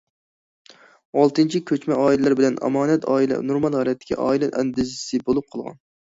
ئالتىنچى كۆچمە ئائىلىلەر بىلەن ئامانەت ئائىلە نورمال ھالەتتىكى ئائىلە ئەندىزىسى بولۇپ قالغان.